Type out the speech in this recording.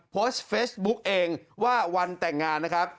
โพสต์เฟซบุ๊กเองว่าวันแต่งงานนะครับ